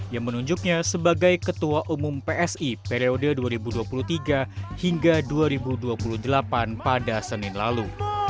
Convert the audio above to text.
yang menunjuknya sebagai ketua umum psi periode dua ribu dua puluh tiga hingga dua ribu dua puluh delapan pada senin lalu